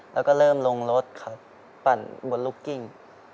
แล้วก็เริ่มลงรถครับปั่นบนลูกกิ้ง